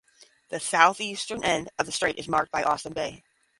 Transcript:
The southeastern end of the strait is marked by Austin Bay.